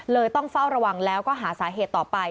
ต้องเฝ้าระวังแล้วก็หาสาเหตุต่อไป